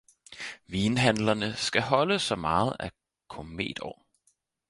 Vinhandlerne skal holde så meget af kometår.